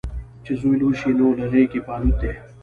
چې زوی لوی شي، نو له غیږې په الوت دی